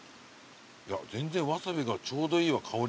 全然ワサビがちょうどいいわ香りが。